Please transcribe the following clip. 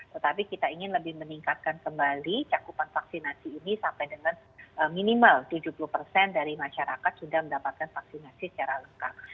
tetapi kita ingin lebih meningkatkan kembali cakupan vaksinasi ini sampai dengan minimal tujuh puluh persen dari masyarakat sudah mendapatkan vaksinasi secara lengkap